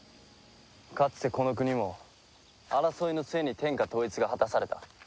かつてこの国も争いの末に天下統一が果たされた。